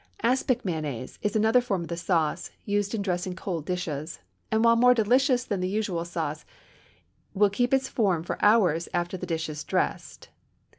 Aspic mayonnaise is another form of the sauce, used in dressing cold dishes, and while more delicious than the usual sauce, will keep its form for hours after the dish is dressed.